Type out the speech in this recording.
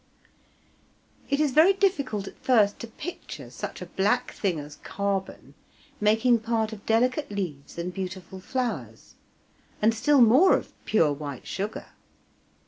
It is very difficult at first to picture such a black thing as carbon making part of delicate leaves and beautiful flowers, and still more of pure white sugar.